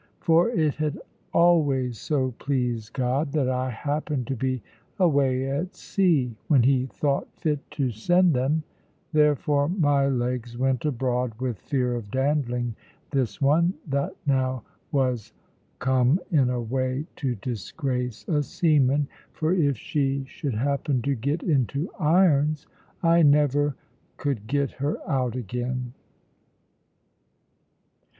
For it had always so pleased God that I happened to be away at sea when He thought fit to send them; therefore my legs went abroad with fear of dandling this one, that now was come, in a way to disgrace a seaman; for if she should happen to get into irons, I never could get her out again.